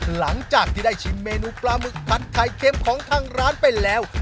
หลังจากที่ได้ชิมเมนูปลาหมึกผัดไข่เค็มของทางร้านไปแล้ว